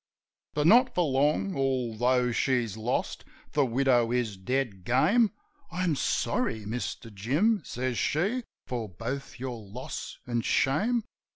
But not for long. Although she's lost, the widow is dead game : "I'm sorry, Mister Jim," says she, "for both your loss an' shame.